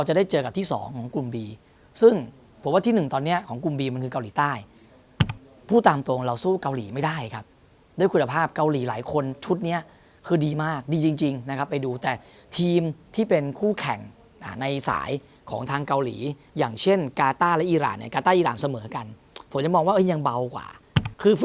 จะได้เจอกับที่สองของกลุ่มบีซึ่งผมว่าที่หนึ่งตอนนี้ของกลุ่มบีมันคือเกาหลีใต้พูดตามตรงเราสู้เกาหลีไม่ได้ครับด้วยคุณภาพเกาหลีหลายคนชุดนี้คือดีมากดีจริงนะครับไปดูแต่ทีมที่เป็นคู่แข่งในสายของทางเกาหลีอย่างเช่นกาต้าและอีรานเนี่ยกาต้าอีรานเสมอกันผมจะมองว่ายังเบากว่าคือฝ